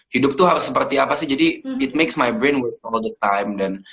hidup tuh harus seperti apa sih jadi it makes my brain worse all the time dan